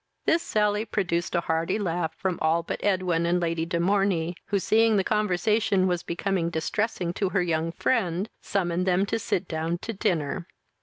This sally produced a hearty laugh from all but Edwin and Lady de Morney, who, seeing the conversation was become distressing to her young friend, summoned them to sit down to dinner.